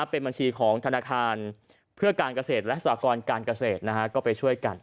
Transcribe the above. เป็นบัญชีของธนาคารเพื่อการเกษตรและสากรการเกษตรก็ไปช่วยกัน